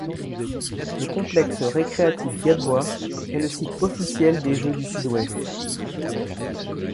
Le complexe récréatif Gadbois est le site officiel des Jeux du Sud-Ouest.